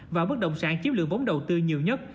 và bất động sản chiếm lượng vốn đầu tư nhiều nhất